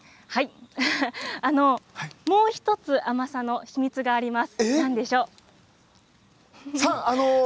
もう１つ甘さの秘密があります。